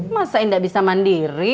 masa indah bisa mandiri